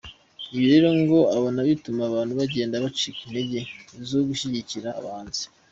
Ibi rero ngo abona bituma abantu bagenda bacika intege zo gushyigikira abahanzi.